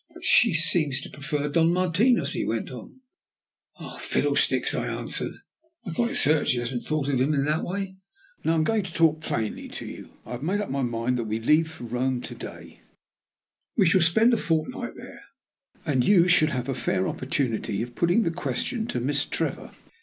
"But she seems to prefer Don Martinos," he went on. "Fiddlesticks!" I answered. "I'm quite certain she hasn't thought of him in that way. Now, I am going to talk plainly to you. I have made up my mind that we leave to day for Rome. We shall spend a fortnight there, and you should have a fair opportunity of putting the question to Miss Trevor.